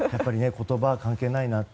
言葉は関係ないなって